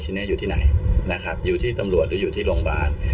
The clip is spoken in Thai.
ทีนี้อยู่ที่ไหนนะครับอยู่ที่ตำรวจหรืออยู่ที่โรงพยาบาล